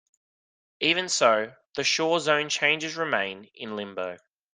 Even so, the shore zone changes remain in limbo.